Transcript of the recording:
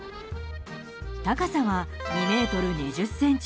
高さは２ｍ２０ｃｍ。